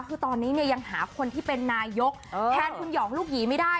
คือตอนนี้เนี่ยยังหาคนที่เป็นนายกแทนคุณหองลูกหยีไม่ได้